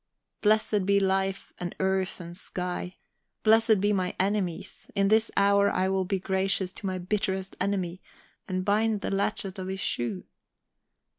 Blessed be life and earth and sky, blessed be my enemies; in this hour I will be gracious to my bitterest enemy, and bind the latchet of his shoe...